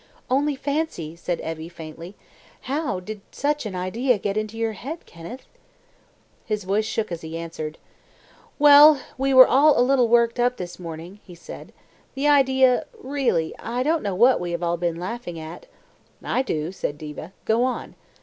"Only fancy!" said Evie faintly. "How did such an idea get into your head, Kenneth?" His voice shook as he answered. "Well, we were all a little worked up this morning," he said. "The idea really, I don't know what we have all been laughing at " "I do," said Diva. "Go on.